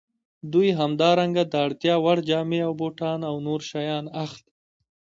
دوی همدارنګه د اړتیا وړ جامې او بوټان او نور شیان اخلي